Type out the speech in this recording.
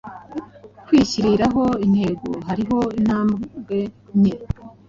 kwihyiriraho intego, hariho intambwe nke